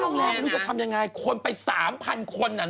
โรงแรมไม่รู้จะทำยังไงคนไป๓๐๐๐คนน่ะเนาะ